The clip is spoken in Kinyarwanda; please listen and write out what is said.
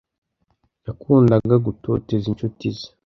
Yakundaga gutoteza inshuti ze.